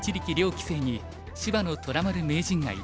棋聖に芝野虎丸名人が挑みます。